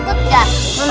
eh lucu banget